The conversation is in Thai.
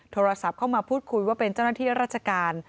โทรศัพท์เข้ามาพูดคุยว่าเป็นเจ้าหน้าที่ราชการ